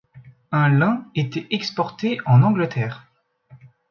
Un lin été exporté en Angleterre.